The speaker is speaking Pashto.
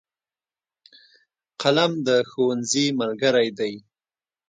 قلم د ښوونځي ملګری دی.